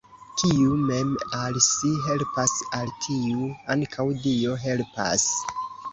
Kiu mem al si helpas, al tiu ankaŭ Dio helpas!